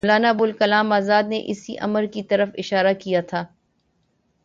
مولانا ابوالکلام آزاد نے اسی امر کی طرف اشارہ کیا تھا۔